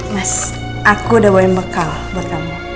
mas aku udah bawa yang bekal buat kamu